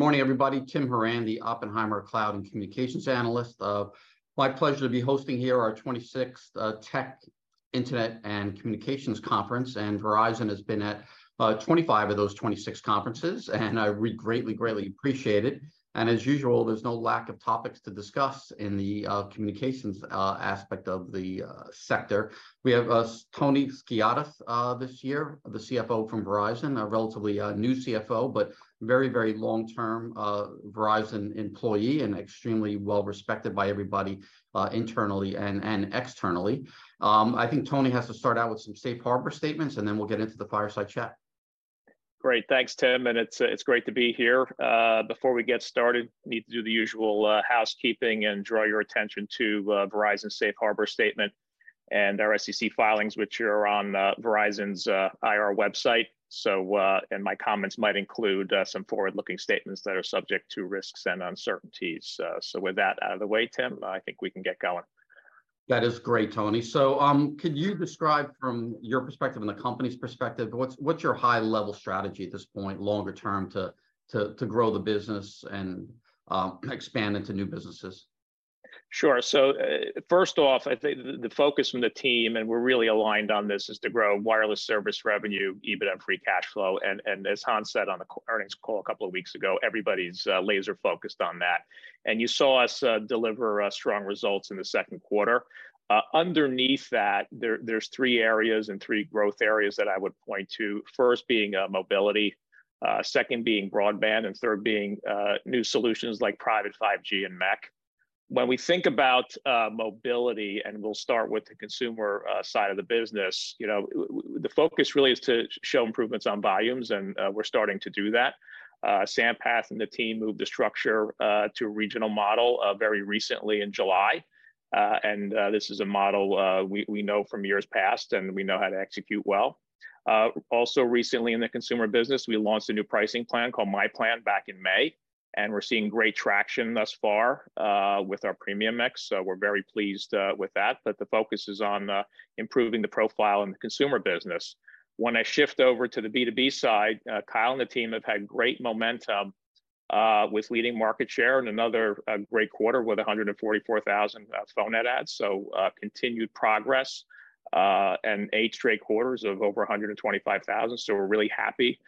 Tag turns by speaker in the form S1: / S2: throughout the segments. S1: Good morning, everybody. Tim Horan, the Oppenheimer Cloud and Communications analyst. My pleasure to be hosting here our 26th Tech, Internet, and Communications Conference. Verizon has been at 25 of those 26 conferences, and I re- greatly, greatly appreciate it. As usual, there's no lack of topics to discuss in the communications aspect of the sector. We have Tony Skiadas this year, the CFO from Verizon, a relatively new CFO, but very, very long-term Verizon employee, and extremely well-respected by everybody internally and externally. I think Tony has to start out with some safe harbor statements, and then we'll get into the fireside chat.
S2: Great. Thanks, Tim, and it's, it's great to be here. Before we get started, need to do the usual housekeeping and draw your attention to Verizon's safe harbor statement and our SEC filings, which are on Verizon's IR website. My comments might include some forward-looking statements that are subject to risks and uncertainties. With that out of the way, Tim, I think we can get going.
S1: That is great, Tony. Could you describe from your perspective and the company's perspective, what's, what's your high-level strategy at this point longer term to, to, to grow the business and, expand into new businesses?
S2: Sure. First off, I think the focus from the team, and we're really aligned on this, is to grow wireless service revenue, EBITDA, and free cash flow. As Hans said on the earnings call a couple of weeks ago, everybody's laser-focused on that, and you saw us deliver strong results in the second quarter. Underneath that, there's three areas and three growth areas that I would point to. First being mobility, second being broadband, and third being new solutions, like private 5G and MEC. When we think about mobility, and we'll start with the consumer side of the business, you know, the focus really is to show improvements on volumes, and we're starting to do that. Sampath and the team moved the structure to a regional model very recently in July, this is a model we know from years past, and we know how to execute well. Also recently in the consumer business, we launched a new pricing plan called myPlan back in May, we're seeing great traction thus far with our premium mix, we're very pleased with that. The focus is on improving the profile in the consumer business. When I shift over to the B2B side, Kyle and the team have had great momentum with leading market share and another great quarter with 144,000 phone net adds. Continued progress and eight straight quarters of over 125,000, we're really happy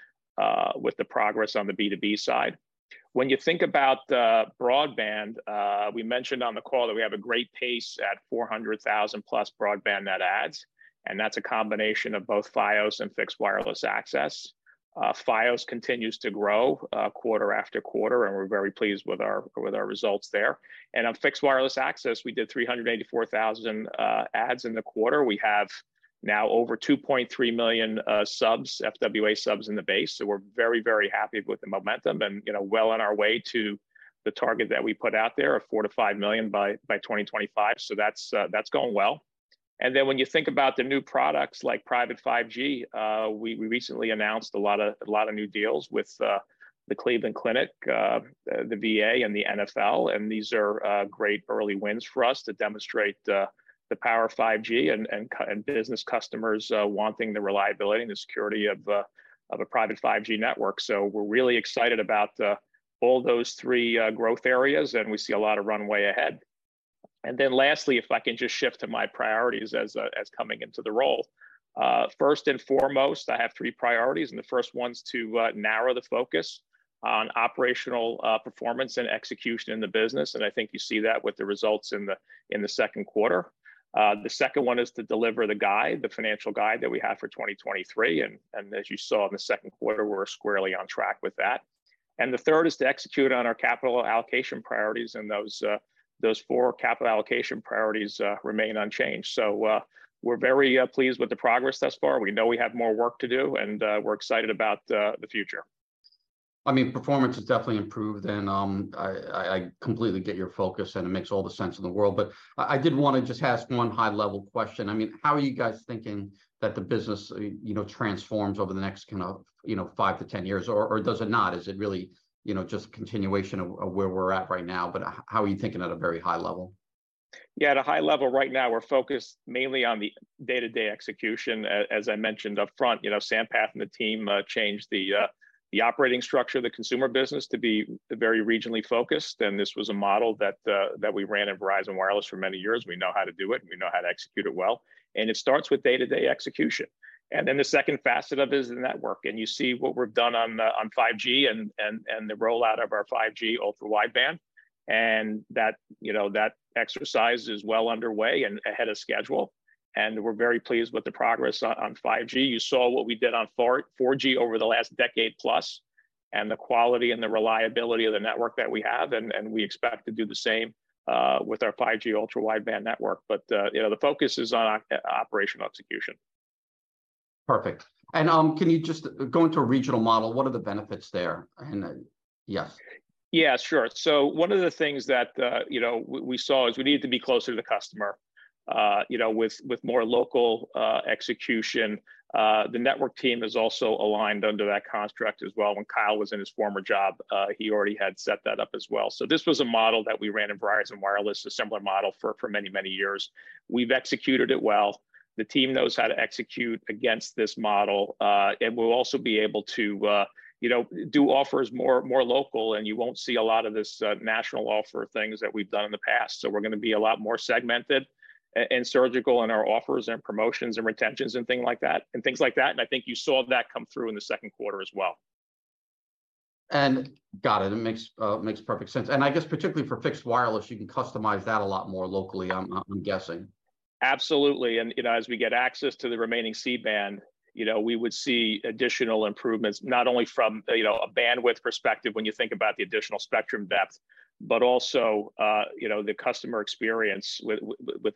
S2: with the progress on the B2B side. When you think about broadband, we mentioned on the call that we have a great pace at 400,000+ broadband net adds, and that's a combination of both Fios and fixed wireless access. Fios continues to grow quarter after quarter, and we're very pleased with our, with our results there. On fixed wireless access, we did 384,000 adds in the quarter. We have now over 2.3 million subs, FWA subs in the base, we're very, very happy with the momentum and, you know, well on our way to the target that we put out there of 4 million-5 million by 2025. That's going well. When you think about the new products, like private 5G, we, we recently announced a lot of, a lot of new deals with the Cleveland Clinic, the VA, and the NFL, and these are great early wins for us to demonstrate the power of 5G and business customers wanting the reliability and the security of a private 5G network. We're really excited about all those three growth areas, and we see a lot of runway ahead. Lastly, if I can just shift to my priorities as coming into the role. First and foremost, I have three priorities, and the first one's to narrow the focus on operational performance and execution in the business, and I think you see that with the results in the second quarter. The second one is to deliver the guide, the financial guide that we have for 2023, and as you saw in the second quarter, we're squarely on track with that. The third is to execute on our capital allocation priorities, and those, those four capital allocation priorities remain unchanged. We're very pleased with the progress thus far. We know we have more work to do, and we're excited about the future.
S1: I mean, performance has definitely improved, and I, I, I completely get your focus, and it makes all the sense in the world. I, I did wanna just ask one high-level question. I mean, how are you guys thinking that the business, you know, transforms over the next, kind of, you know, five to 10 years, or, or does it not? Is it really, you know, just a continuation of, of where we're at right now, but how are you thinking at a very high level?
S2: Yeah, at a high level right now, we're focused mainly on the day-to-day execution. As I mentioned up front, you know, Sampath and the team changed the operating structure of the consumer business to be very regionally focused, and this was a model that we ran in Verizon Wireless for many years. We know how to do it, and we know how to execute it well, and it starts with day-to-day execution. Then the second facet of it is the network, and you see what we've done on 5G and the rollout of our 5G Ultra Wideband. That, you know, that exercise is well underway and ahead of schedule, and we're very pleased with the progress on 5G. You saw what we did on 4G over the last decade-plus, and the quality and the reliability of the network that we have, and we expect to do the same with our 5G Ultra Wideband network. You know, the focus is on operational execution.
S1: Perfect. Can you just go into regional model? What are the benefits there? Yes.
S2: Yeah, sure. One of the things that, you know, we saw is we need to be closer to the customer, you know, with more local execution. The network team is also aligned under that construct as well. When Kyle was in his former job, he already had set that up as well. This was a model that we ran in Verizon Wireless, a similar model for, for many, many years. We've executed it well. The team knows how to execute against this model. We'll also be able to, you know, do offers more, more local, and you won't see a lot of this, national offer things that we've done in the past. We're gonna be a lot more segmented and surgical in our offers and promotions and retentions and thing like that, and things like that, and I think you saw that come through in the second quarter as well.
S1: Got it. It makes, it makes perfect sense. I guess particularly for fixed wireless, you can customize that a lot more locally, I'm, I'm guessing.
S2: Absolutely, you know, as we get access to the remaining C-band, you know, we would see additional improvements, not only from, you know, a bandwidth perspective when you think about the additional spectrum depth, but also, you know, the customer experience with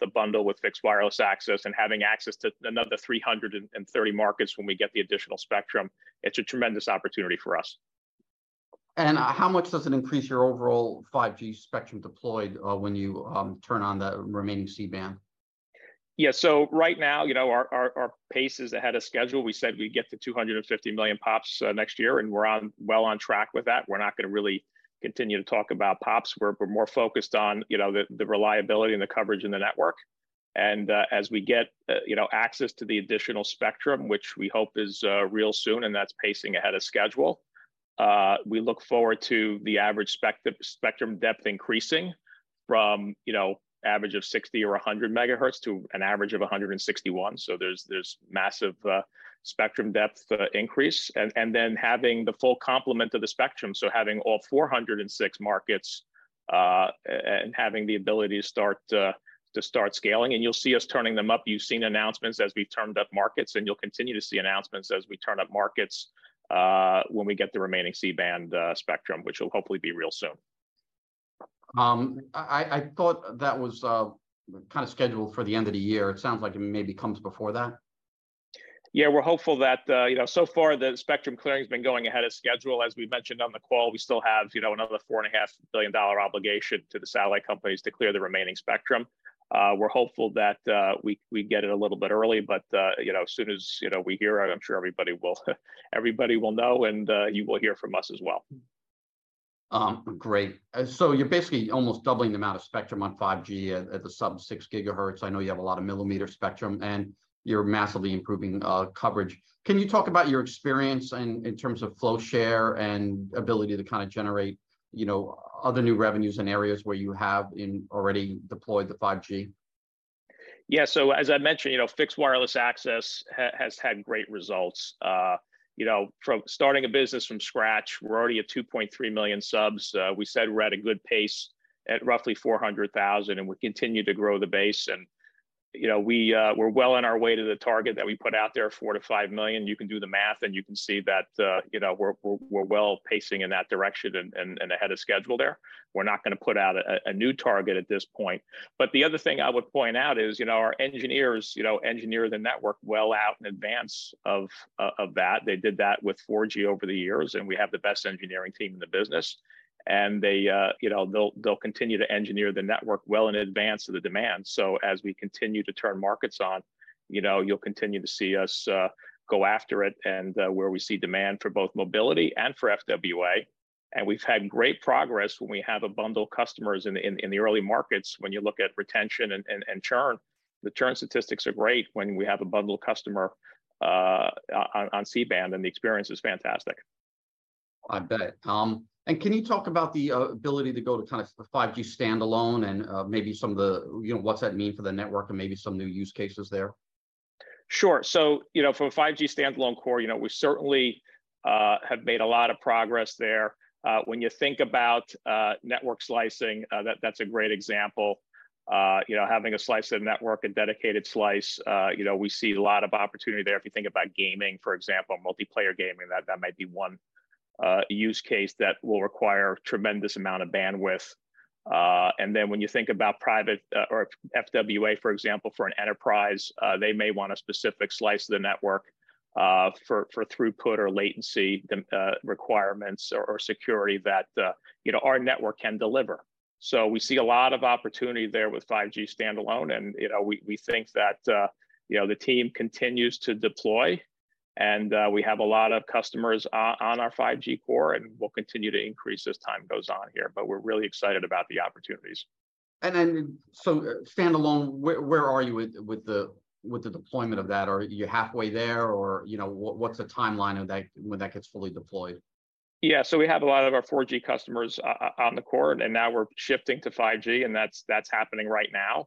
S2: the bundle with fixed wireless access, and having access to another 330 markets when we get the additional spectrum. It's a tremendous opportunity for us.
S1: How much does it increase your overall 5G spectrum deployed, when you turn on the remaining C-band?
S2: Right now, you know, our, our, our pace is ahead of schedule. We said we'd get to 250 million POPs next year, and we're well on track with that. We're not gonna really continue to talk about POPs. We're, we're more focused on, you know, the, the reliability and the coverage in the network. As we get, you know, access to the additional spectrum, which we hope is real soon, and that's pacing ahead of schedule, we look forward to the average spectrum depth increasing from, you know, average of 60 or 100 megahertz to an average of 161. There's this massive spectrum depth increase, and then having the full complement of the spectrum, so having all 406 markets, and having the ability to start to start scaling, and you'll see us turning them up. You've seen announcements as we've turned up markets, and you'll continue to see announcements as we turn up markets, when we get the remaining C-band spectrum, which will hopefully be real soon.
S1: I, I, I thought that was kind of scheduled for the end of the year. It sounds like it maybe comes before that?
S2: Yeah, we're hopeful that. You know, so far the spectrum clearing's been going ahead of schedule. As we mentioned on the call, we still have, you know, another $4.5 billion obligation to the satellite companies to clear the remaining spectrum. We're hopeful that we, we get it a little bit early, but, you know, as soon as, you know, we hear, I'm sure everybody will everybody will know, and you will hear from us as well.
S1: Great. So you're basically almost doubling the amount of spectrum on 5G at, at the sub-6 GHz. I know you have a lot of millimeter spectrum, and you're massively improving coverage. Can you talk about your experience in, in terms of flow share and ability to kind of generate, you know, other new revenues in areas where you have already deployed the 5G?
S2: Yeah, as I mentioned, you know, fixed wireless access has had great results. You know, from starting a business from scratch, we're already at 2.3 million subs. We said we're at a good pace at roughly 400,000, we continue to grow the base. You know, we're well on our way to the target that we put out there, 4 million-5 million. You can do the math, you can see that, you know, we're, we're, we're well pacing in that direction and, and, and ahead of schedule there. We're not gonna put out a new target at this point. The other thing I would point out is, you know, our engineers, you know, engineer the network well out in advance of that. They did that with 4G over the years, and we have the best engineering team in the business. They, you know, they'll, they'll continue to engineer the network well in advance of the demand. As we continue to turn markets on, you know, you'll continue to see us go after it, and where we see demand for both mobility and for FWA, and we've had great progress when we have a bundle of customers in, in, in the early markets, when you look at retention and, and, and churn. The churn statistics are great when we have a bundled customer on, on C-band, and the experience is fantastic.
S1: I bet. Can you talk about the ability to go to kind of the 5G standalone and maybe some of the, you know, what's that mean for the network and maybe some new use cases there?
S2: Sure. You know, from a 5G standalone core, you know, we certainly have made a lot of progress there. When you think about network slicing, that, that's a great example. You know, having a slice of network, a dedicated slice, you know, we see a lot of opportunity there. If you think about gaming, for example, multiplayer gaming, that, that might be one use case that will require a tremendous amount of bandwidth. Then when you think about private, or FWA, for example, for an enterprise, they may want a specific slice of the network, for, for throughput or latency de, requirements or, or security that, you know, our network can deliver. We see a lot of opportunity there with 5G standalone, and, you know, we, we think that, you know, the team continues to deploy, and, we have a lot of customers on our 5G core, and we'll continue to increase as time goes on here. We're really excited about the opportunities.
S1: Standalone, where, where are you with, with the, with the deployment of that? Are you halfway there, or, you know, what, what's the timeline of that, when that gets fully deployed?
S2: Yeah, we have a lot of our 4G customers on the core, and now we're shifting to 5G, and that's, that's happening right now.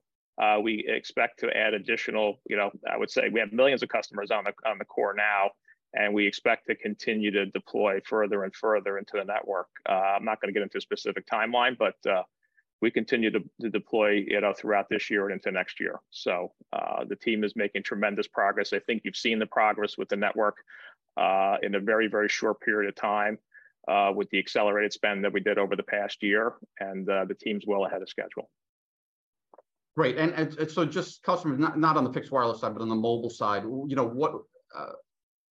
S2: We expect to add additional. You know, I would say we have millions of customers on the core now, and we expect to continue to deploy further and further into the network. I'm not gonna get into a specific timeline. We continue to deploy, you know, throughout this year and into next year. The team is making tremendous progress. I think you've seen the progress with the network in a very, very short period of time with the accelerated spend that we did over the past year, and the team's well ahead of schedule.
S1: Great. Just customers, not on the fixed wireless side, but on the mobile side, you know, what,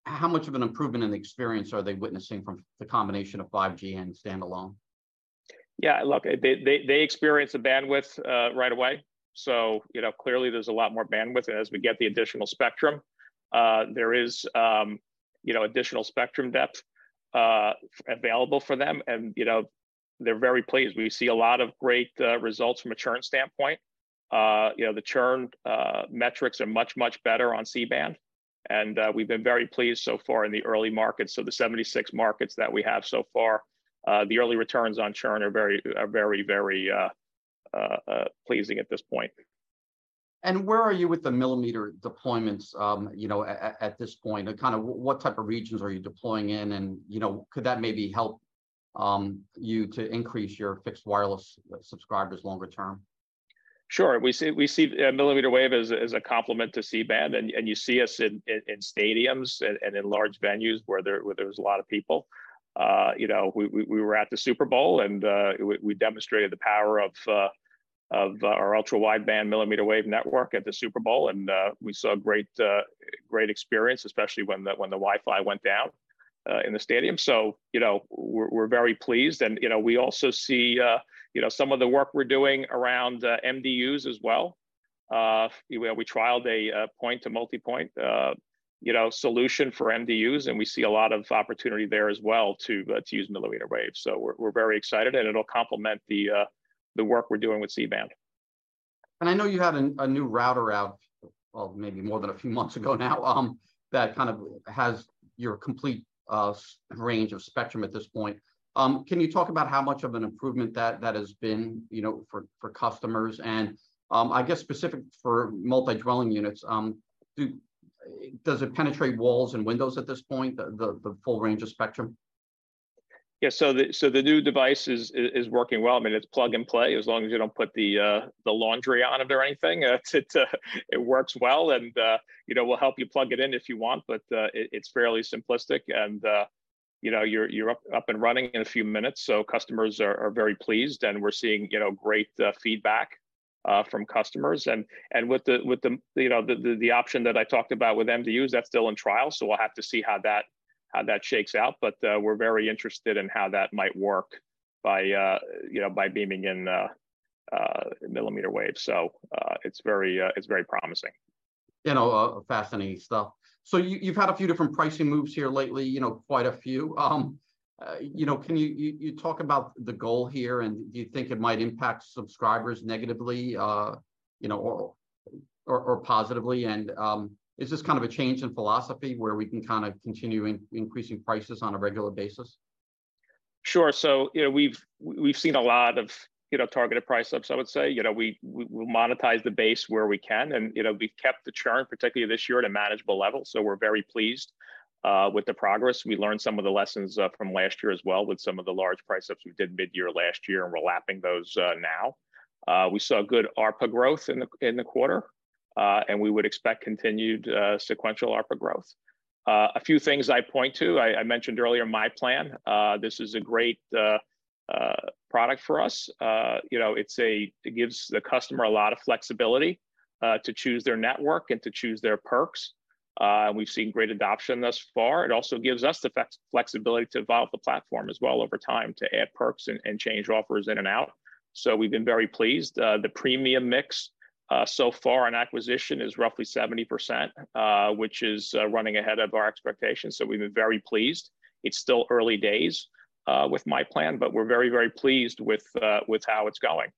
S1: how much of an improvement in the experience are they witnessing from the combination of 5G and standalone?
S2: Yeah, look, they, they, they experience the bandwidth right away. You know, clearly there's a lot more bandwidth, and as we get the additional spectrum, there is, you know, additional spectrum depth available for them, and, you know, they're very pleased. We see a lot of great results from a churn standpoint. You know, the churn metrics are much, much better on C-band, and we've been very pleased so far in the early markets. The 76 markets that we have so far, the early returns on churn are very, are very, very pleasing at this point.
S1: Where are you with the millimeter deployments, you know, at this point? Kind of what type of regions are you deploying in, and, you know, could that maybe help, you to increase your fixed wireless subscribers longer term?
S2: Sure. We see, we see, millimeter wave as a, as a complement to C-band, and, and you see us in, in, in stadiums and, and in large venues where there, where there's a lot of people. You know, we, we, we were at the Super Bowl, and, we, we demonstrated the power of, of our ultra wide band millimeter wave network at the Super Bowl, and, we saw great, great experience, especially when the, when the Wi-Fi went down, in the stadium. You know, we're, we're very pleased, and, you know, we also see, you know, some of the work we're doing around, MDUs as well. We, we trialed a, point-to-multipoint, you know, solution for MDUs, and we see a lot of opportunity there as well to, to use millimeter waves. We're, we're very excited, and it'll complement the work we're doing with C-band.
S1: I know you had a, a new router out, well, maybe more than a few months ago now, that kind of has your complete range of spectrum at this point. Can you talk about how much of an improvement that, that has been, you know, for, for customers? I guess specific for multi-dwelling units, does it penetrate walls and windows at this point, the, the, the full range of spectrum?
S2: Yeah, the new device is working well. I mean, it's plug and play, as long as you don't put the, the laundry on it or anything. It works well, and, you know, we'll help you plug it in if you want, but it's fairly simplistic, and, you know, you're up and running in a few minutes. Customers are very pleased, and we're seeing, you know, great feedback from customers. With the, you know, the option that I talked about with MDUs, that's still in trial, so we'll have to see how that shakes out, but we're very interested in how that might work by, you know, by beaming in millimeter waves. It's very promising.
S1: You know, fascinating stuff. You, you've had a few different pricing moves here lately, you know, quite a few. You know, can you, you, you talk about the goal here, and do you think it might impact subscribers negatively, you know, or, or, or positively? Is this kind of a change in philosophy where we can kind of continue increasing prices on a regular basis?
S2: Sure. You know, we've, we've seen a lot of, you know, targeted price ups, I would say. We, we, we'll monetize the base where we can, and, you know, we've kept the churn, particularly this year, at a manageable level. We're very pleased with the progress. We learned some of the lessons from last year as well with some of the large price ups we did midyear last year, and we're lapping those now. We saw good ARPA growth in the, in the quarter, and we would expect continued sequential ARPA growth. A few things I'd point to, I, I mentioned earlier myPlan. This is a great product for us. You know, it gives the customer a lot of flexibility to choose their network and to choose their perks. We've seen great adoption thus far. It also gives us the flexibility to evolve the platform as well over time, to add perks and change offers in and out. We've been very pleased. The premium mix so far on acquisition is roughly 70%, which is running ahead of our expectations, so we've been very pleased. It's still early days with myPlan, but we're very, very pleased with how it's going.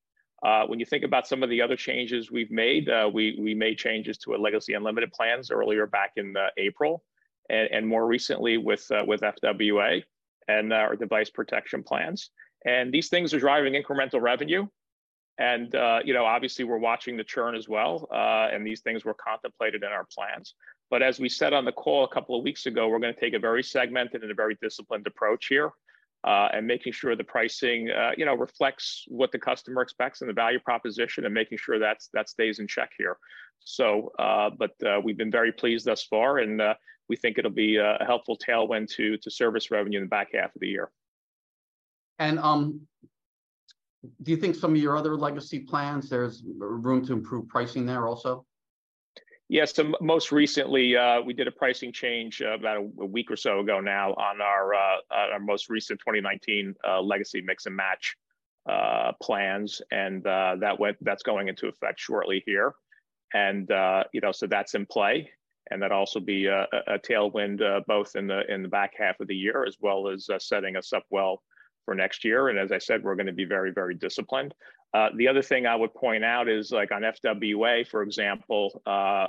S2: When you think about some of the other changes we've made, we made changes to our legacy unlimited plans earlier back in April, and more recently with FWA and our device protection plans. These things are driving incremental revenue, and, you know, obviously we're watching the churn as well, and these things were contemplated in our plans. As we said on the call a couple of weeks ago, we're gonna take a very segmented and a very disciplined approach here, and making sure the pricing, you know, reflects what the customer expects and the value proposition, and making sure that stays in check here. We've been very pleased thus far, and we think it'll be a helpful tailwind to, to service revenue in the back half of the year.
S1: Do you think some of your other legacy plans, there's room to improve pricing there also?
S2: Yes, most recently, we did a pricing change about a week or so ago now on our most recent 2019 legacy Mix and Match plans, and that's going into effect shortly here. You know, that's in play, and that'll also be a tailwind both in the back half of the year, as well as setting us up well for next year. As I said, we're gonna be very, very disciplined. The other thing I would point out is, like, on FWA, for example,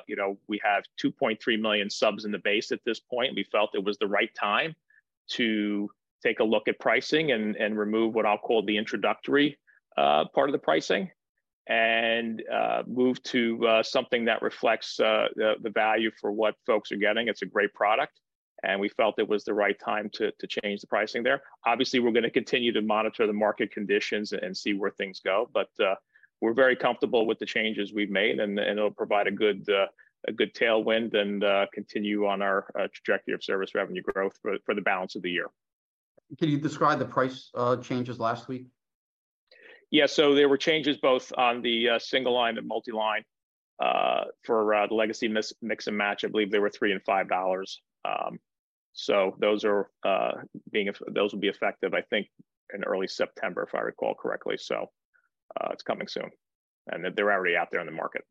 S2: you know, we have 2.3 million subs in the base at this point. We felt it was the right time to take a look at pricing and remove what I'll call the introductory part of the pricing. Move to something that reflects the value for what folks are getting. It's a great product. We felt it was the right time to change the pricing there. Obviously, we're gonna continue to monitor the market conditions and see where things go. We're very comfortable with the changes we've made. It'll provide a good, a good tailwind and continue on our trajectory of service revenue growth for the balance of the year.
S1: Can you describe the price changes last week?
S2: Yeah, there were changes both on the single line and multi-line for the legacy Mix and Match. I believe they were $3 and $5. Those will be effective, I think, in early September, if I recall correctly. It's coming soon, and they're already out there in the market.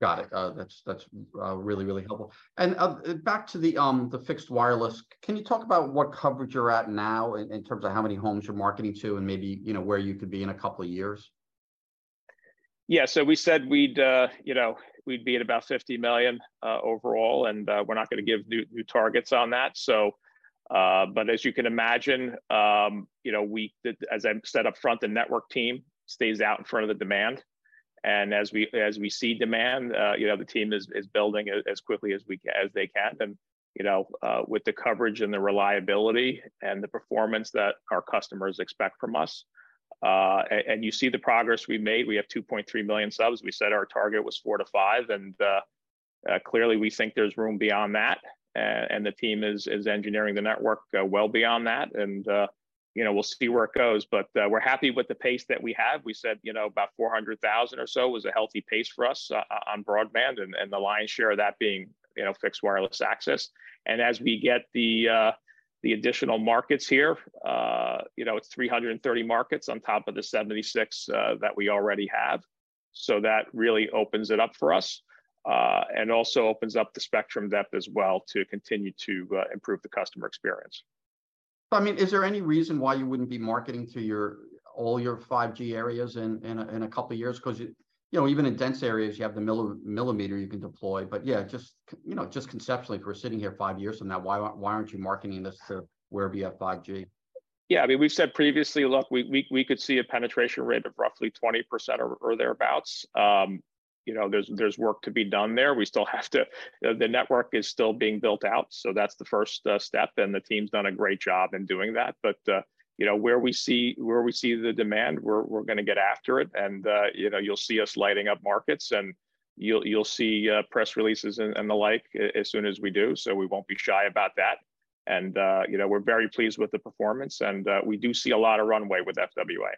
S1: Got it. That's, that's really, really helpful. Back to the fixed wireless, can you talk about what coverage you're at now in, in terms of how many homes you're marketing to, and maybe, you know, where you could be in a couple of years?
S2: Yeah, we said we'd, you know, we'd be at about 50 million overall, and we're not going to give new, new targets on that. But as you can imagine, you know, as I said up front, the network team stays out in front of the demand, and as we, as we see demand, you know, the team is, is building as quickly as they can, and, you know, with the coverage and the reliability and the performance that our customers expect from us. And you see the progress we've made. We have 2.3 million subs. We said our target was 4 million-5 million, and clearly we think there's room beyond that. The team is, is engineering the network, well beyond that, and, you know, we'll see where it goes. We're happy with the pace that we have. We said, you know, about 400,000 or so was a healthy pace for us on broadband, and, and the lion's share of that being, you know, fixed wireless access. As we get the, the additional markets here, you know, it's 330 markets on top of the 76, that we already have. That really opens it up for us, and also opens up the spectrum depth as well to continue to improve the customer experience.
S1: I mean, is there any reason why you wouldn't be marketing to all your 5G areas in, in a, in a couple of years? You know, even in dense areas, you have the millimeter you can deploy. Yeah, just, you know, just conceptually, if we're sitting here five years from now, why aren't, why aren't you marketing this to wherever you have 5G?
S2: Yeah, I mean, we've said previously, look, we, we, we could see a penetration rate of roughly 20% or, or thereabouts. You know, there's, there's work to be done there. The, the network is still being built out, so that's the first step. The team's done a great job in doing that. You know, where we see, where we see the demand, we're, we're going to get after it. You know, you'll, you'll see us lighting up markets, and you'll, you'll see press releases and, and the like as soon as we do. We won't be shy about that. You know, we're very pleased with the performance, and we do see a lot of runway with FWA.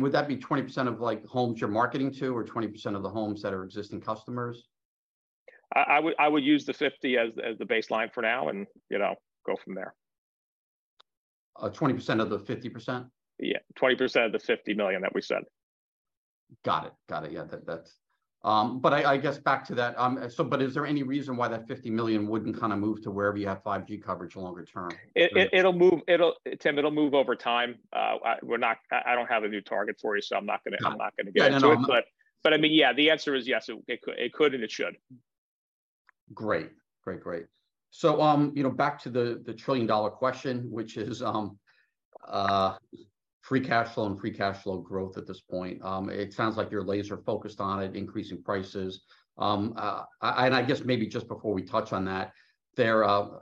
S1: Would that be 20% of, like, homes you're marketing to, or 20% of the homes that are existing customers?
S2: I, I would, I would use the 50 million as, as the baseline for now and, you know, go from there.
S1: 20% of the 50%?
S2: Yeah, 20% of the 50 million that we said.
S1: Got it. Got it. Yeah, that, that's, I, I guess back to that, is there any reason why that 50 million wouldn't kind of move to wherever you have 5G coverage longer term?
S2: Tim, it'll move over time. I don't have a new target for you, so I'm not gonna.
S1: Yeah
S2: I'm not going to get into it.
S1: No, no.
S2: I mean, yeah, the answer is yes, it, it could, and it should.
S1: Great. Great, great. You know, back to the, the $1 trillion question, which is free cash flow and free cash flow growth at this point. It sounds like you're laser-focused on it, increasing prices. And I guess maybe just before we touch on that, there are-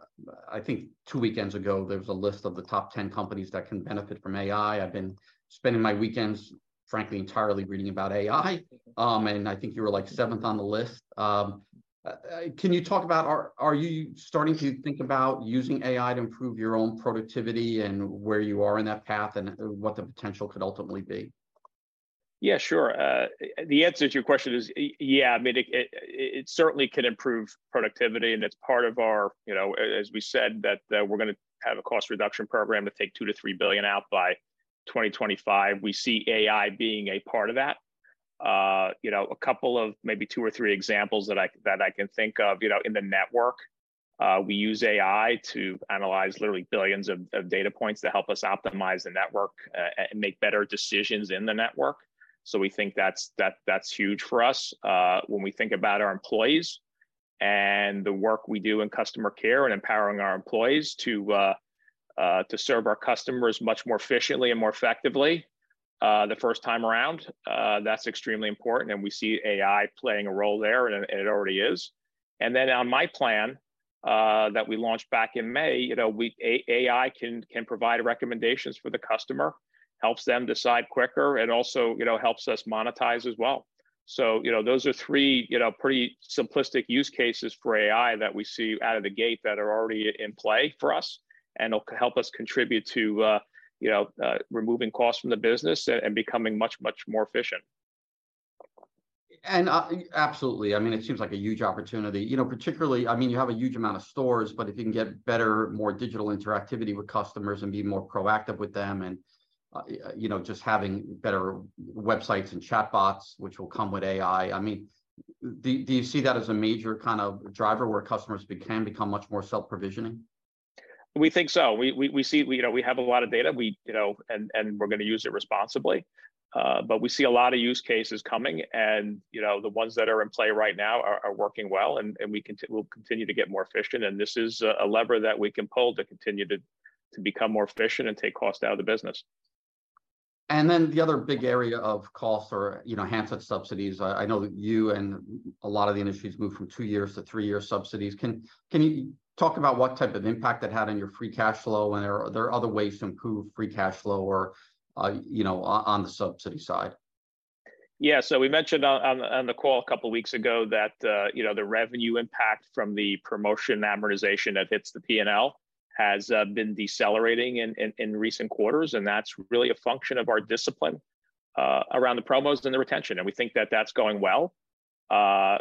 S1: I think two weekends ago, there was a list of the top 10 companies that can benefit from AI. I've been spending my weekends, frankly, entirely reading about AI, and I think you were, like, seventh on the list. Can you talk about, are, are you starting to think about using AI to improve your own productivity and where you are in that path and what the potential could ultimately be?
S2: Yeah, sure. The answer to your question is yeah. I mean, it, it, it certainly can improve productivity, and it's part of our, you know, as we said, that we're gonna have a cost reduction program to take $2 billion to $3 billion out by 2025. We see AI being a part of that. You know, a couple of, maybe two or three examples that I, that I can think of, you know, in the network, we use AI to analyze literally billions of data points to help us optimize the network, and make better decisions in the network. We think that's, that, that's huge for us. When we think about our employees and the work we do in customer care and empowering our employees to serve our customers much more efficiently and more effectively, the first time around, that's extremely important, and we see AI playing a role there, and it already is. Then on myPlan, that we launched back in May, you know, we AI can, can provide recommendations for the customer, helps them decide quicker, and also, you know, helps us monetize as well. You know, those are three, you know, pretty simplistic use cases for AI that we see out of the gate that are already in play for us and will help us contribute to, you know, removing costs from the business and becoming much, much more efficient.
S1: Absolutely. I mean, it seems like a huge opportunity. You know, particularly, I mean, you have a huge amount of stores, but if you can get better, more digital interactivity with customers and be more proactive with them and, you know, just having better websites and chatbots, which will come with AI, I mean, do, do you see that as a major kind of driver where customers can become much more self-provisioning?
S2: We think so. We, you know, we have a lot of data. We, you know, and we're gonna use it responsibly. We see a lot of use cases coming, and, you know, the ones that are in play right now are, are working well, and, and we'll continue to get more efficient, and this is a, a lever that we can pull to continue to, to become more efficient and take cost out of the business.
S1: Then the other big area of cost or, you know, handset subsidies, I know that you and a lot of the industry has moved from two years to three years subsidies. Can, can you talk about what type of impact that had on your free cash flow, and are there other ways to improve free cash flow or, you know, on, on the subsidy side?
S2: Yeah, we mentioned on, on, on the call a couple weeks ago that, you know, the revenue impact from the promotion amortization that hits the P&L has been decelerating in, in, in recent quarters. That's really a function of our discipline around the promos and the retention. We think that that's going well.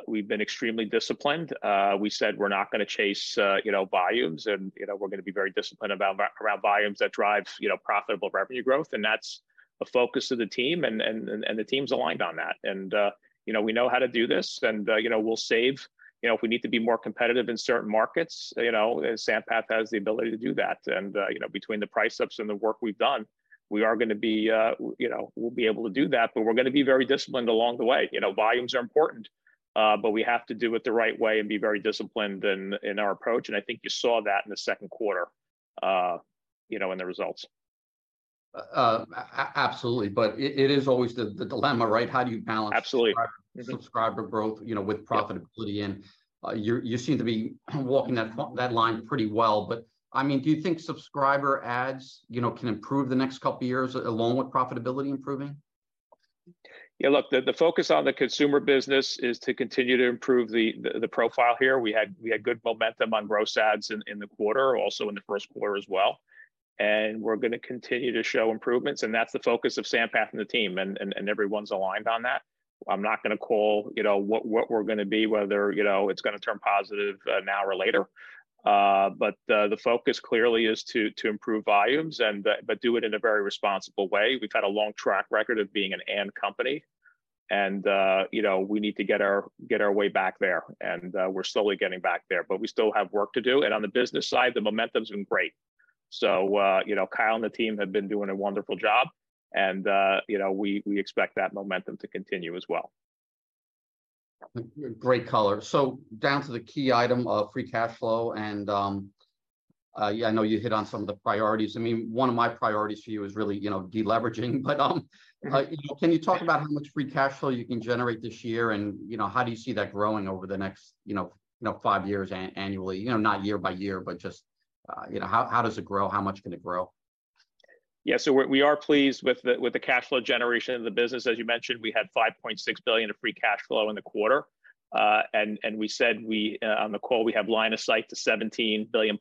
S2: We've been extremely disciplined. We said we're not gonna chase, you know, volumes. You know, we're gonna be very disciplined about around volumes that drive, you know, profitable revenue growth. That's a focus of the team, and, and, and, and the team's aligned on that. You know, we know how to do this. You know, we'll save, you know, if we need to be more competitive in certain markets, you know, then Sampath has the ability to do that. You know, between the price ups and the work we've done, we are gonna be, you know, we'll be able to do that, but we're gonna be very disciplined along the way. You know, volumes are important, but we have to do it the right way and be very disciplined in, in our approach, and I think you saw that in the second quarter, you know, in the results.
S1: Absolutely, it, it is always the, the dilemma, right? How do you balance-
S2: Absolutely
S1: subscriber growth, you know, with profitability you're, you seem to be walking that, that line pretty well. I mean, do you think subscriber adds, you know, can improve the next 2 years along with profitability improving?
S2: Yeah, look, the, the focus on the consumer business is to continue to improve the, the, the profile here. We had, we had good momentum on gross ads in, in the quarter, also in the first quarter as well. We're gonna continue to show improvements, and that's the focus of Sampath and the team, and, and, and everyone's aligned on that. I'm not gonna call, you know, what, what we're gonna be, whether, you know, it's gonna turn positive now or later. The focus clearly is to, to improve volumes, and, but do it in a very responsible way. We've had a long track record of being an and company, and, you know, we need to get our way back there, and, we're slowly getting back there. We still have work to do, and on the business side, the momentum's been great. You know, Kyle and the team have been doing a wonderful job, and, you know, we, we expect that momentum to continue as well.
S1: Great color. Down to the key item of free cash flow, yeah, I know you hit on some of the priorities. I mean, one of my priorities for you is really, you know, de-leveraging, you know, can you talk about how much free cash flow you can generate this year, you know, how do you see that growing over the next, you know, you know, five years an- annually? You know, not year by year, just, you know, how, how does it grow? How much can it grow?
S2: We are pleased with the cash flow generation of the business. As you mentioned, we had $5.6 billion of free cash flow in the quarter. We said we on the call, we have line of sight to $17 billion+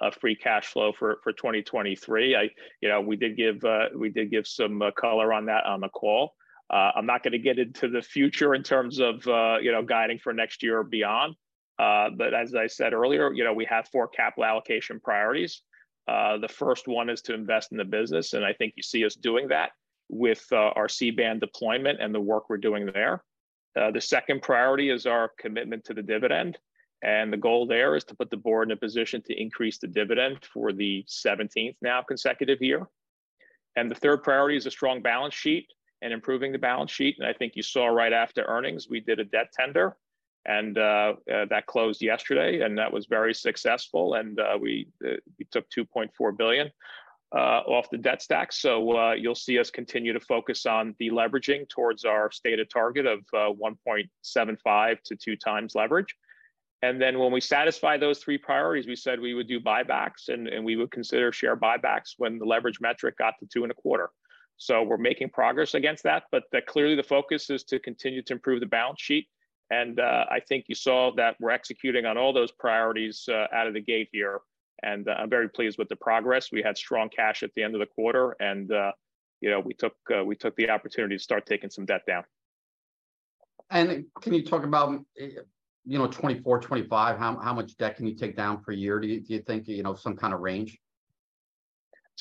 S2: of free cash flow for 2023. You know, we did give some color on that on the call. I'm not gonna get into the future in terms of, you know, guiding for next year or beyond. As I said earlier, you know, we have four capital allocation priorities. The first one is to invest in the business, and I think you see us doing that with our C-band deployment and the work we're doing there. The second priority is our commitment to the dividend, and the goal there is to put the board in a position to increase the dividend for the 17th now consecutive year. The third priority is a strong balance sheet and improving the balance sheet, and I think you saw right after earnings, we did a debt tender, and that closed yesterday, and that was very successful. We took $2.4 billion off the debt stack. You'll see us continue to focus on de-leveraging towards our stated target of 1.75x-2x leverage. When we satisfy those three priorities, we said we would do buybacks, and we would consider share buybacks when the leverage metric got to 2.25. We're making progress against that, but the clearly, the focus is to continue to improve the balance sheet, and, I think you saw that we're executing on all those priorities, out of the gate here, and, I'm very pleased with the progress. We had strong cash at the end of the quarter, and, you know, we took, we took the opportunity to start taking some debt down.
S1: Can you talk about, you know, 2024, 2025, how, how much debt can you take down per year, do you, do you think? You know, some kind of range.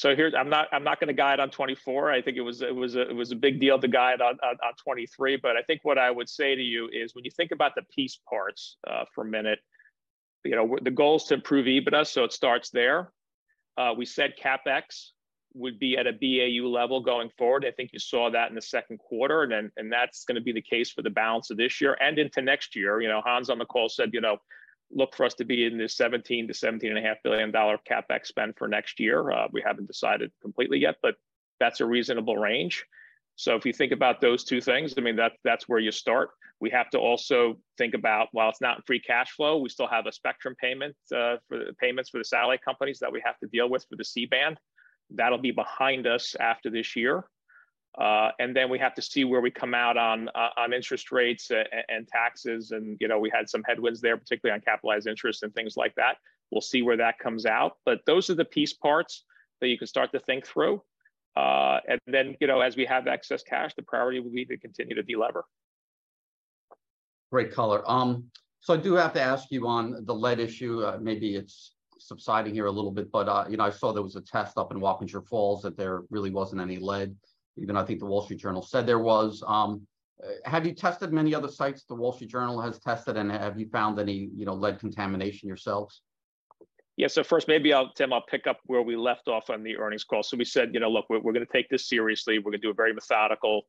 S2: I'm not, I'm not gonna guide on 2024. I think it was a big deal to guide on 2023. I think what I would say to you is when you think about the piece parts, for a minute, you know, the goal is to improve EBITDA, so it starts there. We said CapEx would be at a BAU level going forward. I think you saw that in the second quarter, and that's gonna be the case for the balance of this year and into next year. You know, Hans, on the call, said, you know, look for us to be in the $17 billion-$17.5 billion CapEx spend for next year. We haven't decided completely yet, but that's a reasonable range. If you think about those two things, I mean, that's where you start. We have to also think about, while it's not in free cash flow, we still have a spectrum payment, payments for the satellite companies that we have to deal with for the C-band. That'll be behind us after this year. Then we have to see where we come out on interest rates and taxes, and, you know, we had some headwinds there, particularly on capitalized interest and things like that. We'll see where that comes out, but those are the piece parts that you can start to think through. Then, you know, as we have excess cash, the priority will be to continue to de-lever.
S1: Great color. I do have to ask you on the lead issue, maybe it's subsiding here a little bit, but, you know, I saw there was a test up in Wappingers Falls, that there really wasn't any lead. Even though I think the Wall Street Journal said there was. Have you tested many other sites the Wall Street Journal has tested, and have you found any, you know, lead contamination yourselves?
S2: First, maybe I'll Tim, I'll pick up where we left off on the earnings call. We said, "You know, look, we're, we're gonna take this seriously. We're gonna do a very methodical,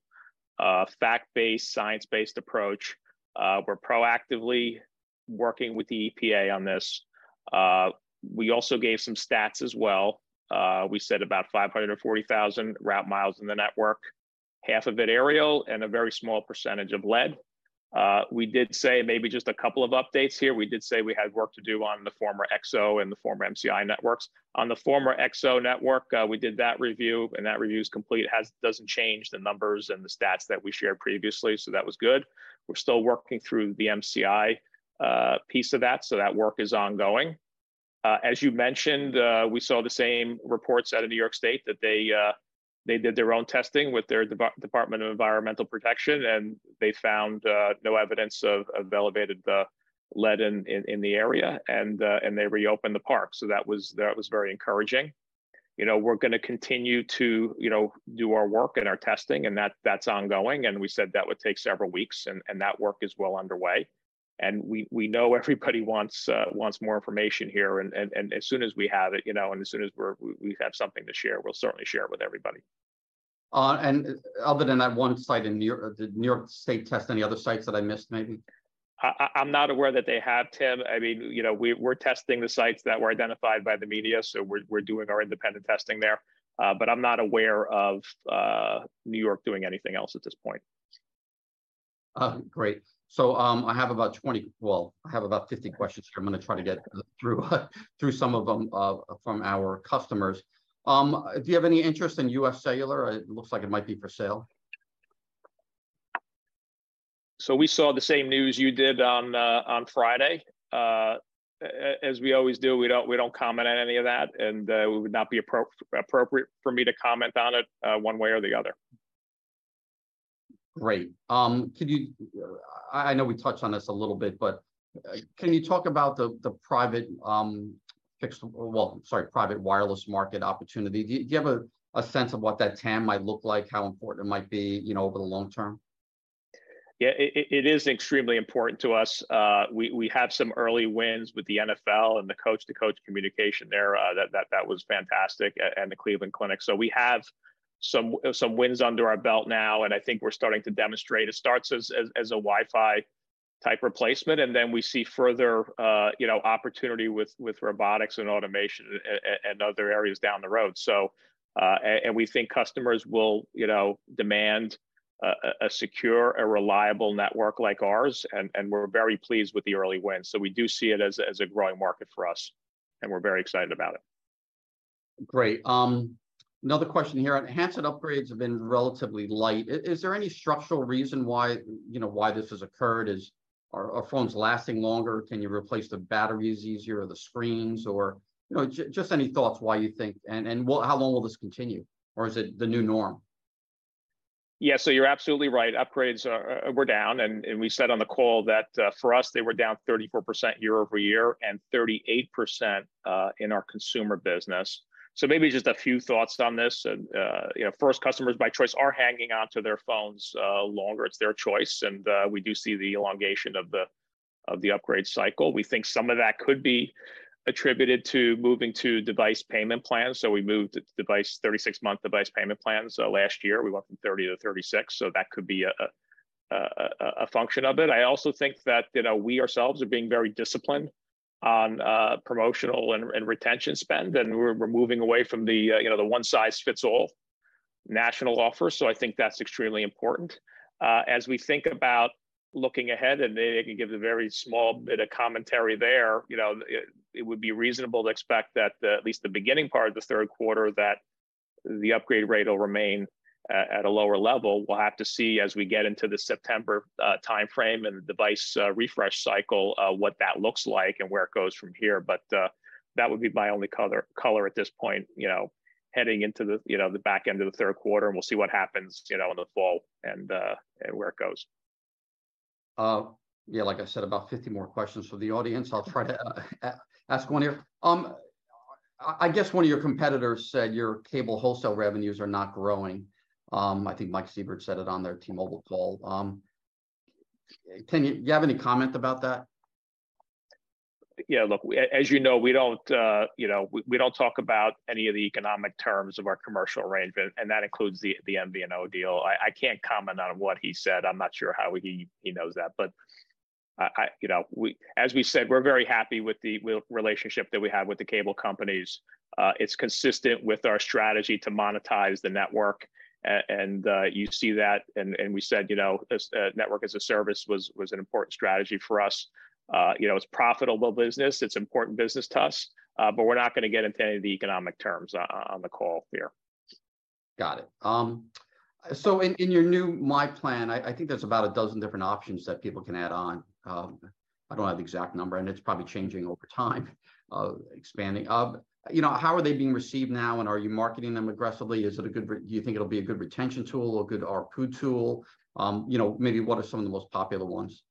S2: fact-based, science-based approach." We're proactively working with the EPA on this. We also gave some stats as well. We said about 540,000 route miles in the network, half of it aerial and a very small percentage of lead. We did say maybe just a couple of updates here. We did say we had work to do on the former XO and the former MCI networks. On the former XO network, we did that review, and that review is complete. It doesn't change the numbers and the stats that we shared previously, so that was good. We're still working through the MCI piece of that, so that work is ongoing. As you mentioned, we saw the same reports out of New York State, that they did their own testing with their Department of Environmental Protection, and they found no evidence of, of elevated lead in, in the area, and they reopened the park. That was, that was very encouraging. You know, we're gonna continue to, you know, do our work and our testing, and that's ongoing, and we said that would take several weeks, and that work is well underway. We, we know everybody wants wants more information here, and as soon as we have it, you know, and as soon as we have something to share, we'll certainly share it with everybody.
S1: Other than that one site in New York, did New York State test any other sites that I missed maybe?
S2: I, I, I'm not aware that they have, Tim. I mean, you know, we're testing the sites that were identified by the media, so we're, we're doing our independent testing there. But I'm not aware of New York doing anything else at this point.
S1: Great. I have about 20, well, I have about 50 questions here I'm gonna try to get through, through some of them from our customers. Do you have any interest in UScellular? It looks like it might be for sale.
S2: We saw the same news you did on Friday. As we always do, we don't, we don't comment on any of that, and it would not be appropriate for me to comment on it, one way or the other.
S1: Great. I, I know we touched on this a little bit, but can you talk about the, the private, well, sorry, private wireless market opportunity? Do, do you have a, a sense of what that TAM might look like, how important it might be, you know, over the long term?
S2: Yeah, it, it, it is extremely important to us. We, we have some early wins with the NFL and the coach-to-coach communication there. That, that, that was fantastic, and the Cleveland Clinic. We have some wins under our belt now, and I think we're starting to demonstrate. It starts as, as, as a Wi-Fi type replacement, and then we see further, you know, opportunity with, with robotics and automation and other areas down the road. And we think customers will, you know, demand a, a, a secure and reliable network like ours, and, and we're very pleased with the early wins. We do see it as a, as a growing market for us, and we're very excited about it.
S1: Great. Another question here, handset upgrades have been relatively light. Is there any structural reason why, you know, why this has occurred? Are phones lasting longer? Can you replace the batteries easier or the screens or? You know, just any thoughts why you think, and well, how long will this continue, or is it the new norm?
S2: Yeah, you're absolutely right. Upgrades are, were down, and we said on the call that, for us, they were down 34% year over year and 38% in our consumer business. Maybe just a few thoughts on this. You know, first, customers by choice are hanging on to their phones, longer. It's their choice, and we do see the elongation of the, of the upgrade cycle. We think some of that could be attributed to moving to device payment plans, so we moved to 36-month device payment plans. Last year, we went from 30 to 36, so that could be a, a, a, a function of it. I also think that, you know, we ourselves are being very disciplined on, promotional and, and retention spend, and we're, we're moving away from the, you know, the one-size-fits-all national offer. I think that's extremely important. As we think about looking ahead, and maybe I can give a very small bit of commentary there, you know, it, it would be reasonable to expect that, at least the beginning part of the third quarter, that the upgrade rate will remain at a lower level. We'll have to see as we get into the September timeframe and the device refresh cycle, what that looks like and where it goes from here, but that would be my only color, color at this point, you know, heading into the, you know, the back end of the third quarter, and we'll see what happens, you know, in the fall and where it goes.
S1: Yeah, like I said, about 50 more questions from the audience. I'll try to a- ask one here. I, I guess one of your competitors said your cable wholesale revenues are not growing. I think Mike Sievert said it on their T-Mobile call. Can you... Do you have any comment about that?
S2: Yeah, look, as you know, we don't, you know, we, we don't talk about any of the economic terms of our commercial arrangement, and that includes the, the MVNO deal. I, I can't comment on what he said. I'm not sure how he, he knows that. I, I, you know, as we said, we're very happy with the relationship that we have with the cable companies. It's consistent with our strategy to monetize the network, and, you see that, and, and we said, you know, as Network as a Service was, was an important strategy for us. You know, it's profitable business, it's important business to us, but we're not gonna get into any of the economic terms on the call here.
S1: Got it. In, in your new myPlan, I, I think there's about 12 different options that people can add on. I don't have the exact number, and it's probably changing over time, expanding. You know, how are they being received now, and are you marketing them aggressively? Is it a good do you think it'll be a good retention tool or a good ARPU tool? You know, maybe what are some of the most popular ones?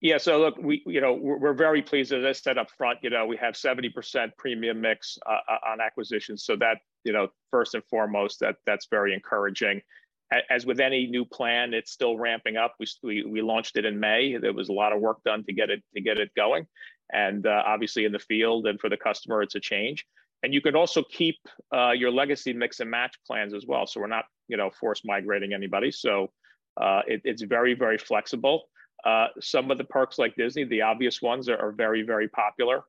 S2: Yeah, so look, we, you know, we're, we're very pleased with this said upfront, you know, we have 70% premium mix on acquisition, so that, you know, first and foremost, that's very encouraging. As with any new plan, it's still ramping up. We, we launched it in May. There was a lot of work done to get it, to get it going, and, obviously, in the field and for the customer, it's a change. You could also keep your legacy Mix and Match plans as well, so we're not, you know, force migrating anybody. It's very, very flexible. Some of the perks like Disney, the obvious ones are, are very, very popular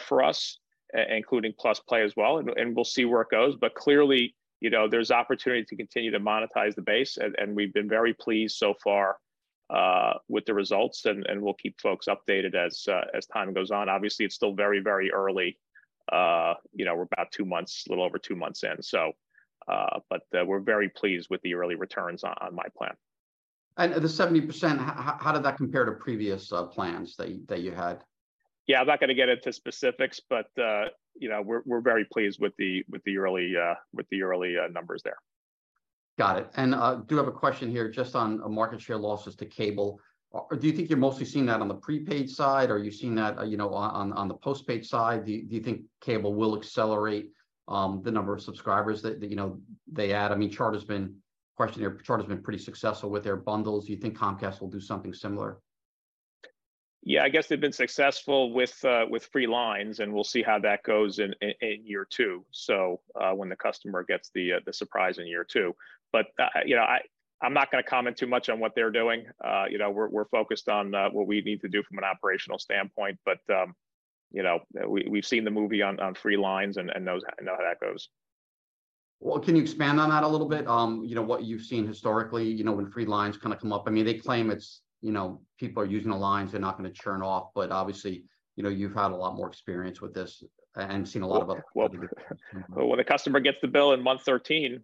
S2: for us, including +play as well, and we'll see where it goes. Clearly, you know, there's opportunity to continue to monetize the base, and, and we've been very pleased so far, with the results, and, and we'll keep folks updated as time goes on. Obviously, it's still very, very early. You know, we're about two months, a little over two months in. We're very pleased with the early returns on, on myPlan.
S1: The 70%, how did that compare to previous plans that you had?
S2: Yeah, I'm not gonna get into specifics, but, you know, we're, we're very pleased with the, with the early, with the early, numbers there.
S1: Got it. I do have a question here just on market share losses to cable. Do you think you're mostly seeing that on the prepaid side, or are you seeing that, you know, on, on, on the postpaid side? Do, do you think cable will accelerate, the number of subscribers that, that, you know, they add? I mean, Charter's been, Charter's been pretty successful with their bundles. Do you think Comcast will do something similar?
S2: Yeah, I guess they've been successful with free lines, and we'll see how that goes in year two, so, when the customer gets the surprise in year two. You know, I, I'm not gonna comment too much on what they're doing. You know, we're, we're focused on what we need to do from an operational standpoint, but, you know, we, we've seen the movie on free lines and know, know how that goes.
S1: Well, can you expand on that a little bit? you know, what you've seen historically, you know, when free lines kind of come up. I mean, they claim it's, you know, people are using the lines they're not gonna churn off. obviously, you know, you've had a lot more experience with this and seen a lot of.
S2: Well, well, well, when the customer gets the bill in month 13,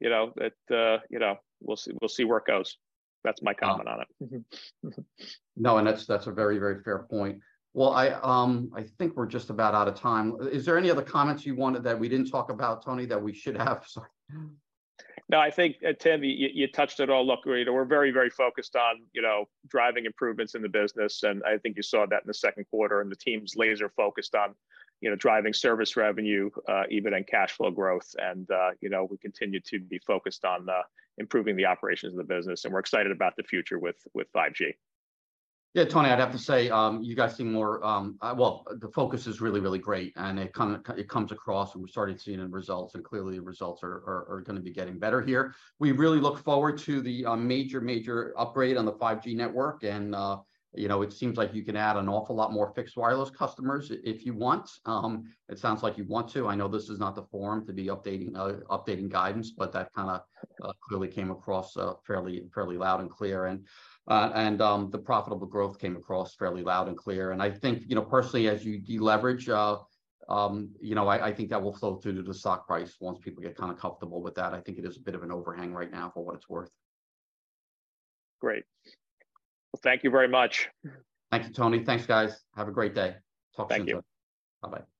S2: you know, that, you know, we'll see, we'll see where it goes. That's my comment on it.
S1: Mm-hmm, mm-hmm. No. That's, that's a very, very fair point. Well, I think we're just about out of time. Is there any other comments you wanted that we didn't talk about, Tony, that we should have? Sorry.
S2: No, I think, Tim, you, you, you touched it all. Look, you know, we're very, very focused on, you know, driving improvements in the business, and I think you saw that in the second quarter. The team's laser focused on, you know, driving service revenue, EBITDA and cash flow growth. You know, we continue to be focused on improving the operations of the business, and we're excited about the future with, with 5G.
S1: Yeah, Tony, I'd have to say, you guys seem more, well, the focus is really, really great, and it comes across, and we're starting seeing the results, and clearly the results are, are, are gonna be getting better here. We really look forward to the major, major upgrade on the 5G network. You know, it seems like you can add an awful lot more fixed wireless customers if you want. It sounds like you want to. I know this is not the forum to be updating, updating guidance, but that kind of clearly came across fairly, fairly loud and clear. The profitable growth came across fairly loud and clear. I think, you know, personally, as you de-leverage, you know, I, I think that will flow through to the stock price once people get kind of comfortable with that. I think it is a bit of an overhang right now, for what it's worth.
S2: Great. Well, thank you very much.
S1: Thank you, Tony. Thanks, guys. Have a great day. Talk soon.
S2: Thank you.
S1: Bye-bye.